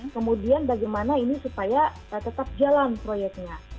kemudian bagaimana ini supaya tetap jalan proyeknya